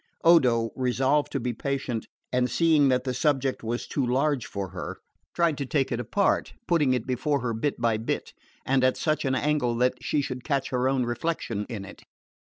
Odo, resolved to be patient, and seeing that the subject was too large for her, tried to take it apart, putting it before her bit by bit, and at such an angle that she should catch her own reflection in it.